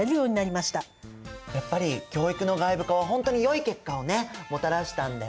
やっぱり教育の外部化はほんとによい結果をねもたらしたんだよね。